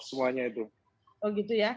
semuanya itu gitu ya